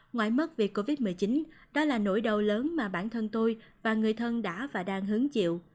ngoại mất vì covid một mươi chín đó là nỗi đau lớn mà bản thân tôi và người thân đã và đang hướng chịu